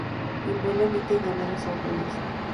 En vuelo emiten llamadas agudas.